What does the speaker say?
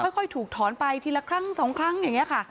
ค่อยถูกถอนไปทีละครั้ง๒ครั้งอย่างนี้ค่ะ